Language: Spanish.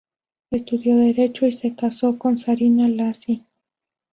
Estudió derecho y se casó con Zarina Lacy.